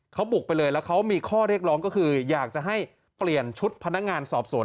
เขาบุกไปเลยแล้วเขามีข้อเรียกร้องก็คืออยากจะให้เปลี่ยนชุดพนักงานสอบสวน